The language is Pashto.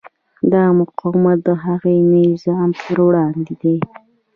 دا مقاومت د هغه نظام پر وړاندې دی.